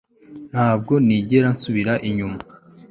Ntabwo nigera nsubira inyuma